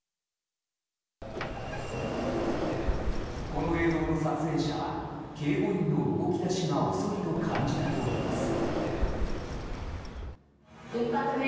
この映像の撮影者は警護員の動き出しが遅いと感じたといいます。